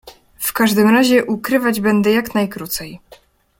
"W każdym razie ukrywać będę jak najkrócej."